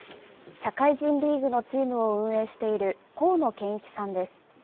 社会人リーグのチームを運営している幸野健一さんです。